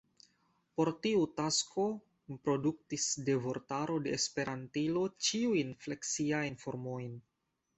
Por tiu tasko mi produktis de vortaro de Esperantilo ĉiujn fleksiajn formojn.